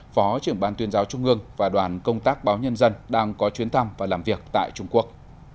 phó trưởng ban tuyên giáo trung ương và đoàn công tác báo nhân dân đang có chuyến thăm và làm việc tại trung quốc